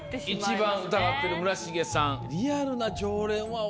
一番疑ってる村重さん。